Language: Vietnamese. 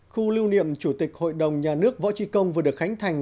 khu lưu niệm chủ tịch hội đồng nhà nước võ trí công vừa được khánh thành